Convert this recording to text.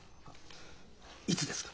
いつですか？